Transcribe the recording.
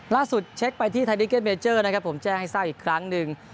เช็คไปที่ไทยดิเก็ตเมเจอร์นะครับผมแจ้งให้ทราบอีกครั้งหนึ่ง